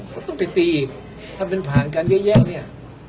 ก็ต้องไปตีอีกถ้ามันผ่านกันเยอะแยะเนี่ย